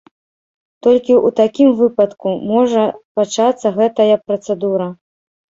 Толькі ў такім выпадку можа пачацца гэтая працэдура.